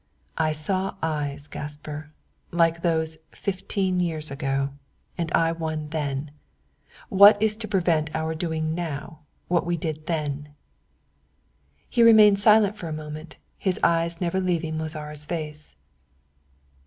"I saw eyes, Gaspar, like those fifteen years ago and I won then. What is to prevent our doing now what we did then?" He remained silent for a moment, his eyes never leaving Mozara's face.